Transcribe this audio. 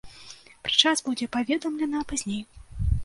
Пра час будзе паведамлена пазней.